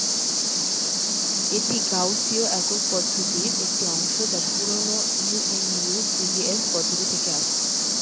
এটি গাউসীয় একক পদ্ধতির একটি অংশ, যা পুরোনো ইএমইউ-সিজিএস পদ্ধতি থেকে আসে।